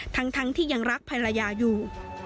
ทั้งที่ยังรักภรรยาอยู่